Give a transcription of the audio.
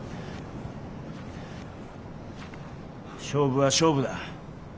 勝負は勝負だ。